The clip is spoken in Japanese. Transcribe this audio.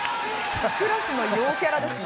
クラスの陽キャラですね。